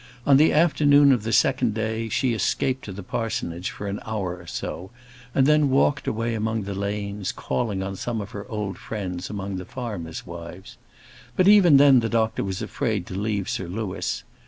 On the afternoon of the second day, she escaped to the parsonage for an hour or so, and then walked away among the lanes, calling on some of her old friends among the farmers' wives. But even then, the doctor was afraid to leave Sir Louis.